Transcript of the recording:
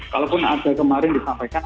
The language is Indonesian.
kalaupun ada kemarin disampaikan